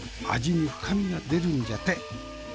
味に深みが出るんじゃて。